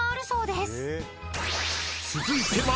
［続いては］